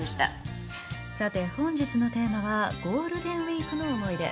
さて本日のテーマはゴールデンウィークの思い出。